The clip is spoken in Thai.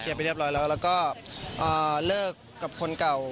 ไปเรียบร้อยแล้วแล้วก็เลิกกับคนเก่า